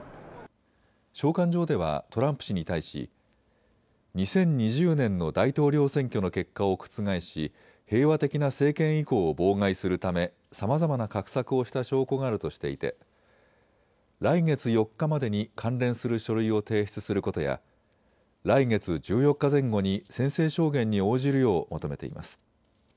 召喚状ではトランプ氏に対し２０２０年の大統領選挙の結果を覆し平和的な政権移行を妨害するためさまざまな画策をした証拠があるとしていて来月４日までに関連する書類を提出することや来月１４日前後に宣誓証言に応じるよう求めています。